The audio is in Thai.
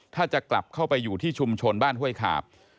ถ้าจะกลับเข้าไปอยู่ที่ชุมชนบ้านห้วยขาบ